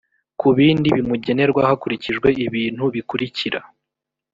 ku bindi bimugenerwa hakurikijwe ibintu bikurikira